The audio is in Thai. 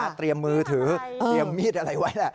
เตรียมมือถือเตรียมมีดอะไรไว้แหละ